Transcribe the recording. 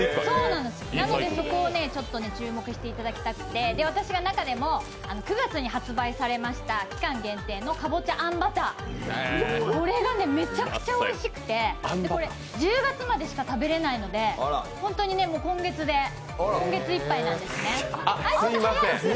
なので、そこを注目していただきたくて私が中でも、９月に発売されました期間限定のかぼちゃあんバター、これがめちゃくちゃおいしくて、１０月までしか食べられないので、本当に今月いっぱいなんです。